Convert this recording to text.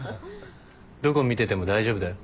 どこ見てても大丈夫だよ。